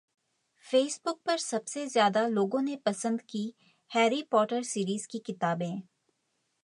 Facebook पर सबसे ज्यादा लोगों ने पसंद की हैरी पॉटर सीरीज की किताबें